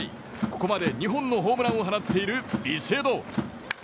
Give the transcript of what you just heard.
ここまで２本のホームランを放っているビシエド。